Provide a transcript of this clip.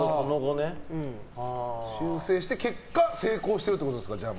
修正して結果成功してるということですか。